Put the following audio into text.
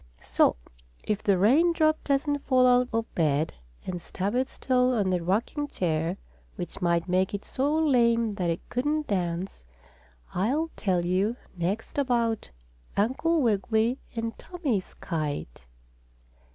So if the rain drop doesn't fall out of bed, and stub its toe on the rocking chair, which might make it so lame that it couldn't dance, I'll tell you next about Uncle Wiggily and Tommie's kite.